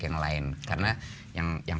yang lain karena yang